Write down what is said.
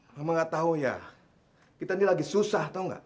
mama nggak tahu ya kita ini lagi susah tahu nggak